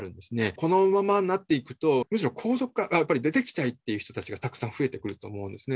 このままになっていくと、むしろ皇族側から出ていきたいっていう方たちがたくさん増えてくると思うんですね。